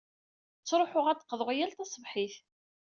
Ttruḥuɣ ad d-qḍuɣ yal taṣebḥit.